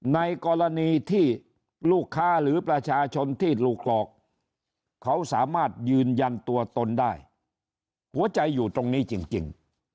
ในกรณีที่ลูกค้าหรือประชาชนที่ถูกหลอกเขาสามารถยืนยันตัวตนได้หัวใจอยู่ตรงนี้จริง